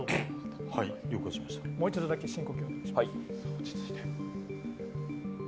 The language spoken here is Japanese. もう一度だけ、深呼吸をお願いします。